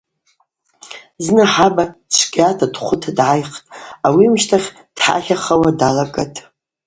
Зны хӏаба чвгьата дхвыта дгӏайхтӏ, ауи амщтахь дхӏатлахауа далагатӏ.